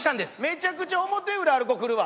めちゃくちゃ表裏ある子来るわ！